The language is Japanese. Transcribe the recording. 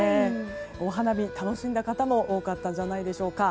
お花見を楽しんだ方も多かったんじゃないでしょうか。